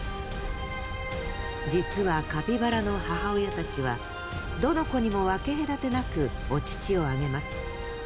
実はカピバラの母親たちはどの子にも分け隔てなくお乳をあげます。